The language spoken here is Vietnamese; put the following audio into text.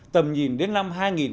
tầm nhìn đến năm hai nghìn ba mươi